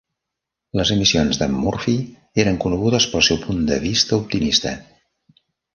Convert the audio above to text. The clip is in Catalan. Les emissions d'en Murphy eren conegudes pel seu punt de vista optimista.